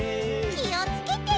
きをつけて。